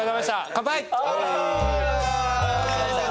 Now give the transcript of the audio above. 乾杯！